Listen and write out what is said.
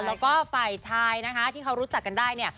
แล้วก็ฝ่ายชายนะคะที่เขารู้จักกันได้เนี่ย